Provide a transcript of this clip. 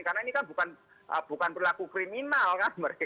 karena ini kan bukan berlaku kriminal kan mereka itu